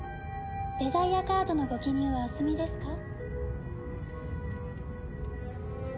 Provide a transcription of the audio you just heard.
デザイアカードのご記入はお済みですか？